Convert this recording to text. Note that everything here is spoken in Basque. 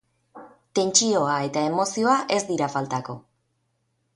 Tentsioa eta emozioa ez dira faltako.